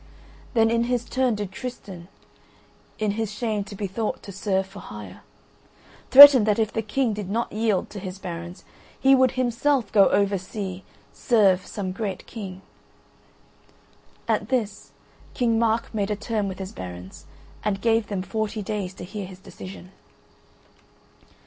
Then in his turn did Tristan (in his shame to be thought to serve for hire) threaten that if the King did not yield to his barons, he would himself go over sea serve some great king. At this, King Mark made a term with his barons and gave them forty days to hear his decision.